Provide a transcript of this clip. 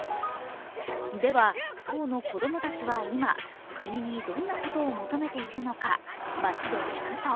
では、当の子供たちは今、国にどんなことを求めているのか街で聞くと